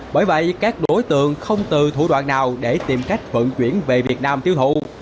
bởi vậy các đối tượng không từ thủ đoạn nào để tìm cách vận chuyển về việt nam tiêu thụ